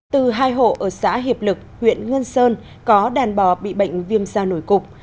từ hai hộ ở xã hiệp lực huyện ngân sơn có đàn bò bị bệnh viêm da nổi cục